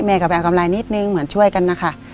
แม่ก็ไปเอากำไรนิดนึงเหมือนช่วยกันนะคะ